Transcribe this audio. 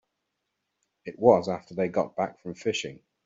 It was after they got back from fishing.